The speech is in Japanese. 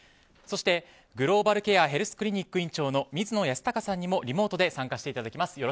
そして、グローバルヘルスケアクリニック院長の水野泰孝さんにもリモートで参加していただきます。